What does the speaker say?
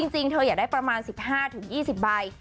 จริงเธออยากได้ประมาณ๑๕๒๐ใบ